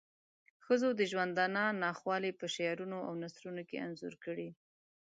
ښځو د ژوندانه ناخوالی په شعرونو او نثرونو کې انځور کړې.